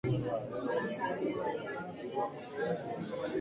Amelia leaves Mark and is planning to raise her daughter as a single parent.